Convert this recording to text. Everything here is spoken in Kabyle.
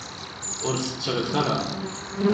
Ur tettret ara.